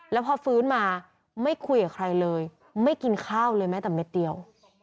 แล้วพอฟื้นมาไม่คุยกับใครเลยไม่กินข้าวเลยแม้แต่เม็ดเดียว